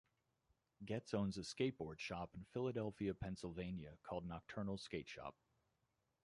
Getz owns a skateboard shop in Philadelphia, Pennsylvania, called Nocturnal Skateshop.